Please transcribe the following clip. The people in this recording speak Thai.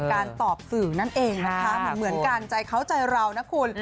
การตอบสื่อนั่นเองนะคะเหมือนกันใจเขาใจเรานะคุณ